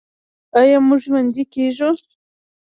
آیا موږ ژوندي کیږو؟